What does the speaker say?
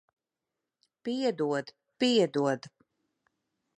Piedod. Piedod.